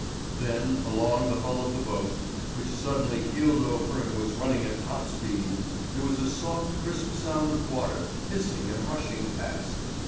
Then, along the hull of the boat, which suddenly heeled over and was running at top speed, there was a soft, crisp sound of water hissing and rushing past.